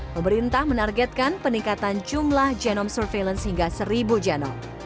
pemerintah menargetkan peningkatan jumlah genome surveillance hingga seribu genom